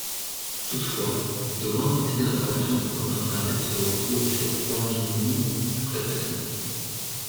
Toutefois, de grandes quantités d'information provenant d'Internet se retrouvent sur Kwangmyong, après traitement.